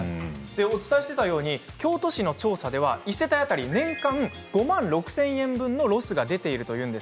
お伝えしたように京都市の調査では１世帯当たり年間５万６０００円分の食品ロスが出ています。